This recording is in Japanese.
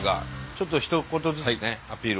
ちょっとひと言ずつねアピール